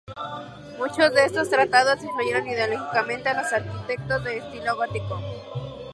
Muchos de estos tratados influyeron ideológicamente a los arquitectos del estilo gótico.